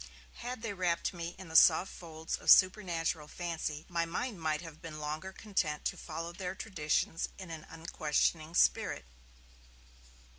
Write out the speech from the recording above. Had they wrapped me in the soft folds of supernatural fancy, my mind might have been longer content to follow their traditions in an unquestioning spirit.